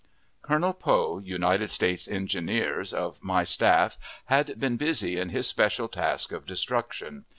Colonel Poe, United States Engineers, of my staff, had been busy in his special task of destruction.